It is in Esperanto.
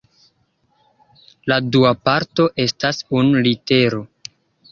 La dua parto estas unu litero.